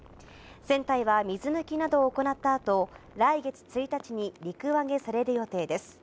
船体は水抜きなどを行ったあと、来月１日に、陸揚げされる予定です。